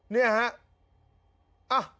เนี่ยฮะ